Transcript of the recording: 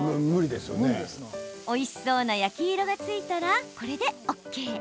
おいしそうな焼き色がついたらこれでＯＫ。